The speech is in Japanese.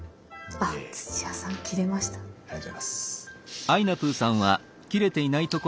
ありがとうございます。